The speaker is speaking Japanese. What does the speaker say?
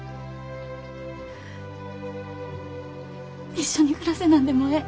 一緒に暮らせなんでもええ。